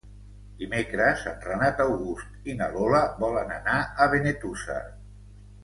Dimecres en Renat August i na Lola volen anar a Benetússer.